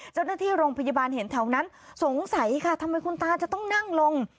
เจ้าหน้าที่โรงพยาบาลเห็นแถวนั้นสงสัยค่ะทำไมคุณตาจะต้องนั่งลง